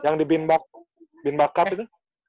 yang di bin bakat itu